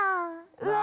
うわ！